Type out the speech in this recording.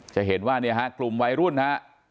จะเห็นว่าเนี่ยฮะกลุ่มวัยรุ่นฮะ